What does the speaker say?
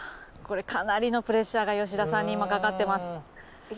これかなりのプレッシャーが吉田さんに今かかってます。